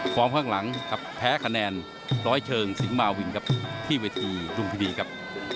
ข้างหลังครับแพ้คะแนนร้อยเชิงสิงหมาวินครับที่เวทีรุมพินีครับ